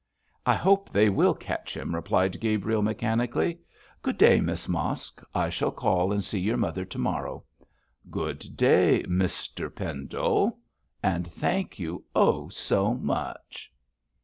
'I hope they will catch him,' replied Gabriel, mechanically. 'Good day, Miss Mosk! I shall call and see your mother to morrow.' 'Good day, Mr Pendle, and thank you, oh, so much!'